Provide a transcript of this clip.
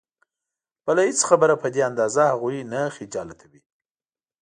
بله هېڅ خبره په دې اندازه هغوی نه خجالتوي.